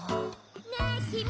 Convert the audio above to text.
・ねえきみ！